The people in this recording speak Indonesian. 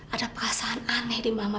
ada perasaan aneh di mama